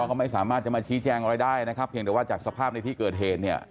ก็ไม่สามารถจะมาชี้แจงอะไรได้นะครับเพียงแต่ว่าจากสภาพในที่เกิดเหตุเนี่ย